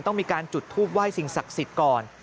ต้องมีการจุดทูปไหว้สิ่งศักดิ์สิทธิ์ก่อน